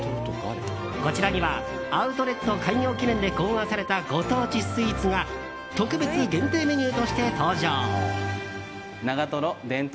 こちらにはアウトレット開業記念で考案された、ご当地スイーツが特別限定メニューとして登場。